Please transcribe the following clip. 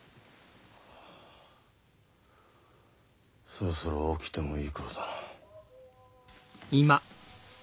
そろそろ起きてもいい頃だな。